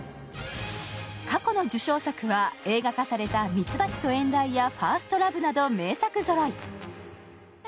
過去の受賞作は映画化された「蜜蜂と遠雷」や「ファーストラヴ」など名作ぞろい。